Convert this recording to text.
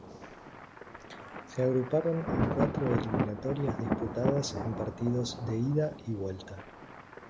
Se agruparon en cuatro eliminatorias disputadas en partidos de ida y vuelta.